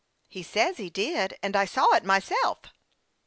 " He says he did, and I saw it myself."